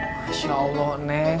masya allah neng